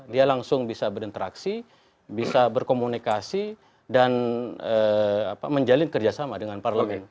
dia langsung bisa berinteraksi bisa berkomunikasi dan menjalin kerjasama dengan parlemen